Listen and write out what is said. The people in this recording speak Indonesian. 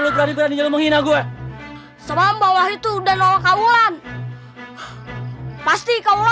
lu berani berani menghina gue sama bawah itu udah nolong kawulan pasti kau